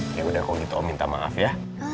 kayak udah kalau gitu om minta maaf ya